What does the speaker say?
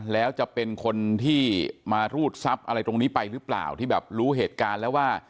แล้วจะเป็นคนที่มารูดทรัพย์อะไรตรงนี้ไปหรือเปล่าที่แบบรู้เหตุการณ์แล้วว่า